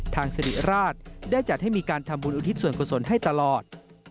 สิริราชได้จัดให้มีการทำบุญอุทิศส่วนกุศลให้ตลอด